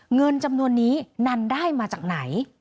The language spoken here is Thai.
เงินจำนวนนี้นันได้มาจากไหน